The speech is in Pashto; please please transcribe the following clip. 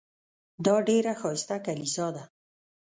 دا ډېره ښایسته کلیسا ده.